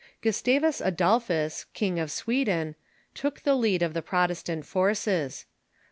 Gustavus Adolphus, King of Sweden, took the lead of the Protestant forces.